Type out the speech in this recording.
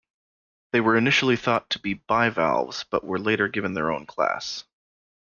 They were initially thought to be bivalves, but were later given their own class.